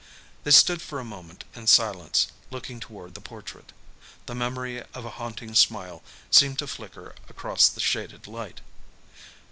They stood for a moment in silence, looking toward the portrait. The memory of a haunting smile seemed to flicker across the shaded light.